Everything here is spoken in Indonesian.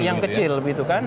yang kecil begitu kan